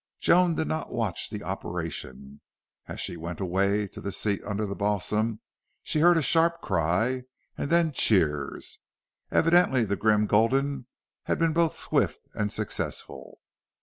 Joan did not watch the operation. As she went away to the seat under the balsam she heard a sharp cry and then cheers. Evidently the grim Gulden had been both swift and successful.